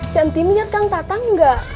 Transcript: cantimnya kang tatang enggak